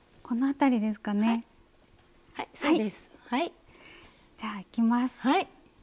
はい。